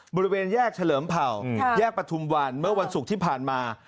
บริเวณแยกเฉลิมเผ่าแยกประทุมวันเมื่อวันศุกร์ที่ผ่านมา